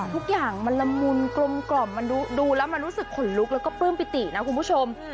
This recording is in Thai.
ทุกอย่างมันละมุนกลมกล่อมมันดูแล้วมันรู้สึกขนลุกแล้วก็ปลื้มปิตินะคุณผู้ชม